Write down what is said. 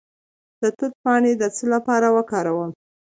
د توت پاڼې د څه لپاره وکاروم؟